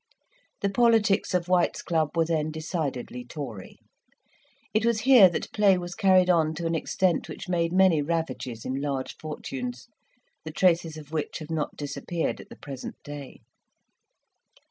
The politics of White's club were then decidedly Tory. It was here that play was carried on to an extent which made many ravages in large fortunes, the traces of which have not disappeared at the present day.